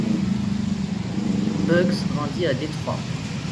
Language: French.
Bugz grandit à Détroit.